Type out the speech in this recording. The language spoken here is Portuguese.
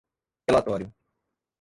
relatório